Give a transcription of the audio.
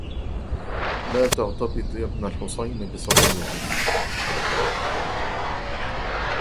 لا تغتبط يا بن الحصين بصبية